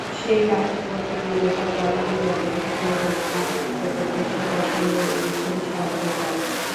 সেই কাহিনি বলতে গিয়ে লেখক বাল্যবিবাহ, বহুবিবাহ, নারী নির্যাতন—এসব প্রসঙ্গও এনেছেন সার্থকভাবে।